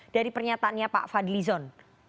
dari pernyataannya pak fadly lizon